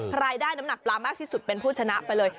ใครได้น้ำหนักปลามากที่สุดเป็นผู้ชนะไปเลย